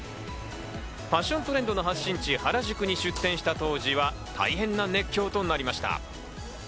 ファッショントレンドの発信地・原宿に出店した当時は大変な熱狂となりました。